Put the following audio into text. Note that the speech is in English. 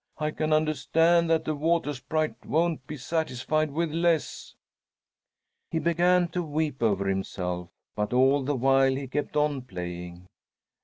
I can understand that the Water Sprite won't be satisfied with less." He began to weep over himself, but all the while he kept on playing.